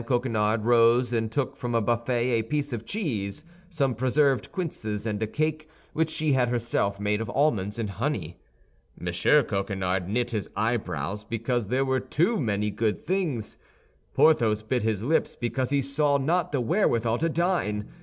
Coquenard rose and took from a buffet a piece of cheese, some preserved quinces, and a cake which she had herself made of almonds and honey. M. Coquenard knit his eyebrows because there were too many good things. Porthos bit his lips because he saw not the wherewithal to dine.